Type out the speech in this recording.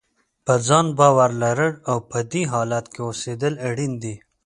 په ځان باور لرل او په دې حالت کې اوسېدل اړین دي.